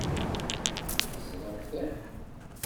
Tezhamt akk.